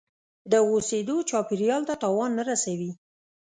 د اوسیدو چاپیریال ته تاوان نه رسوي.